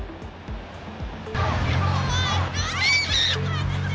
怖い。